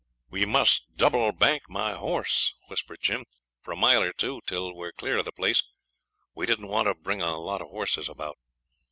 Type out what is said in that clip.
'We must double bank my horse,' whispers Jim, 'for a mile or two, till we're clear of the place; we didn't want to bring a lot of horses about.'